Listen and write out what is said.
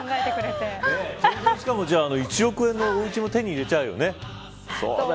１億円のおうちも手に入れちゃうよね。